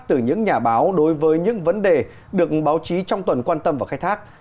từ những nhà báo đối với những vấn đề được báo chí trong tuần quan tâm và khai thác